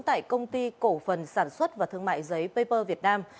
tại công ty cổ phần sản xuất và thương mại giấy paper việt nam